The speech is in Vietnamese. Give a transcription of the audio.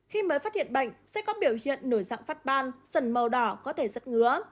khi mới phát hiện bệnh sẽ có biểu hiện nổi dạng phát ban sần màu đỏ có thể rất ngứa